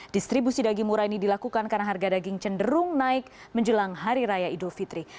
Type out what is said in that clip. distribusi daging murah ini dilakukan karena harga daging cenderung naik menjelang hari raya idul fitri